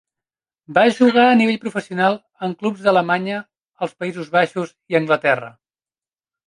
Va jugar a nivell professional en clubs d'Alemanya, els Països Baixos i Anglaterra.